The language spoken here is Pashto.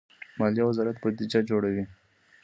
مالیې وزارت بودجه جوړوي